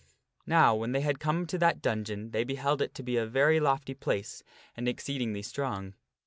Now when they had come to that dungeon they beheld it to be a very lofty place and exceedingly strong.